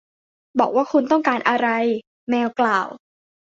บอกว่าคุณต้องการอะไร แมวกล่าว